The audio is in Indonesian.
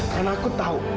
karena aku tahu